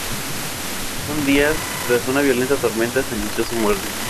Un día, tras una violenta tormenta, se anunció su muerte.